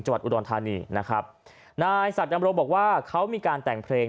วัดอุดรธานีนะครับนายศักดำรงบอกว่าเขามีการแต่งเพลง